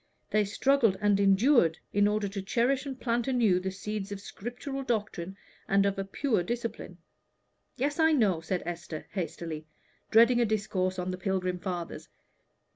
They struggled and endured in order to cherish and plant anew the seeds of a scriptural doctrine and of a pure discipline." "Yes, I know," said Esther, hastily, dreading a discourse on the pilgrim fathers.